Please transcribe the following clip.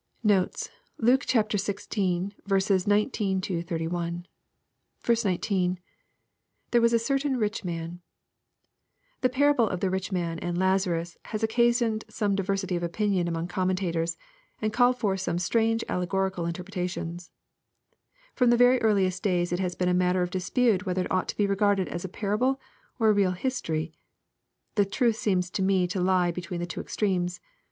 Notes. Luke XVL 19—31. 19. — [There was a certain rich man^ The parable of the rich man and Lazarus has occasioned some diversity of opinion among commentators, and called forth some strange allegorical interpre tations. From' the very earliest days it has been matter of dispute whether it ought to be regarded as a parable or a real history. The truth seems to me to lie between the two extremes.